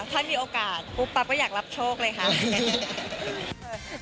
ถ้ามีโอกาสปุ๊บปั๊บก็อยากรับโชคเลยค่ะ